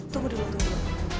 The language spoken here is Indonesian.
tunggu dulu tunggu dulu